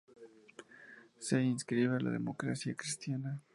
Se inscribe en la Democracia Cristiana.